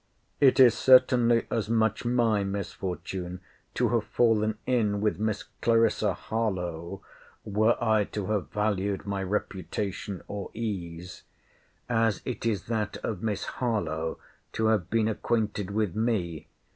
It is certainly as much my misfortune to have fallen in with Miss Clarissa Harlowe, were I to have valued my reputation or ease, as it is that of Miss Harlowe to have been acquainted with me.